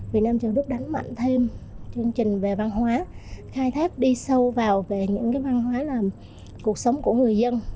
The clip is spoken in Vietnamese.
việt nam châu đức đánh mạnh thêm chương trình về văn hóa khai thác đi sâu vào về những văn hóa làm cuộc sống của người dân